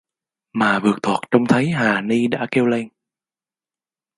Mà vượt thoạt trông thấy hà ni đã kêu lên